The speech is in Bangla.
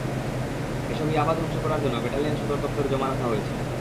এসব ইয়াবা ধ্বংস করার জন্য ব্যাটালিয়ন সদর দপ্তরে জমা রাখা হয়েছে।